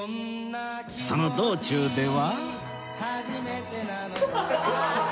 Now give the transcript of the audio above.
その道中では